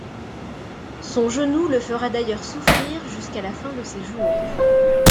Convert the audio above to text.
Son genou le fera d'ailleurs souffrir jusqu'à la fin de ses jours.